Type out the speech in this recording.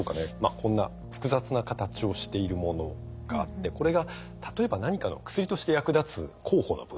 こんな複雑な形をしているものがあってこれが例えば何かの薬として役立つ候補の物質だと思って下さい。